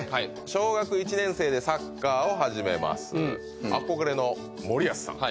小学１年生でサッカーを始めます憧れの森保さん